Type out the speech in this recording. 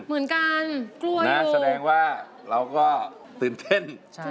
แสดงว่าเราก็ตื่นเต้น